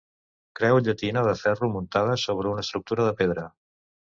Creu llatina de ferro muntada sobre una estructura de pedra.